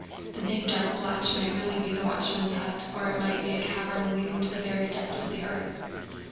The big dark blotch might really be the watchman's hut or it might be a cavern leading to the very depths of the earth.